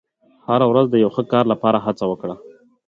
• هره ورځ د یو ښه کار لپاره هڅه وکړه.